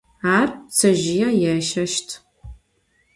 Ar ptsezjıê yêşşeşt.